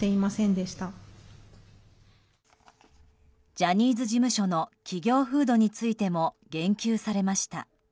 ジャニーズ事務所の企業風土についても言及されました。